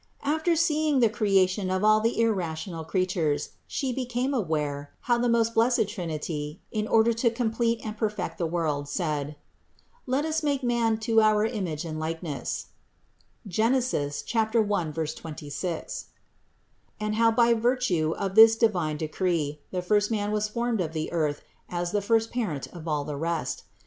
62. After seeing the creation of all the irrational creatures, She became aware, how the most blessed Trin ity, in order to complete and perfect the world, said : "Let us make man to our image and likeness" (Gen. 1, 26), and how by virtue of this divine decree the first man was formed of the earth as the first parent of all the rest.